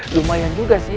lumayan juga sih